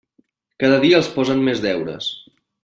Cada dia els posen més deures.